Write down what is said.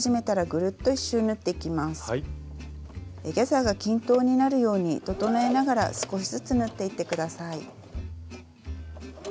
ギャザーが均等になるように整えながら少しずつ縫っていって下さい。